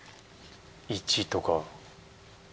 １とか。